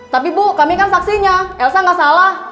tapi bu kami kan saksinya elsa nggak salah